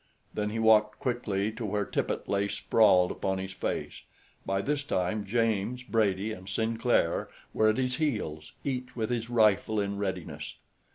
Then he walked quickly to where Tippet lay sprawled upon his face. By this time James, Brady and Sinclair were at his heels, each with his rifle in readiness.